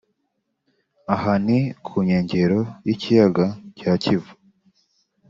aha ni ku nkengero y’Ikiyaga cya Kivu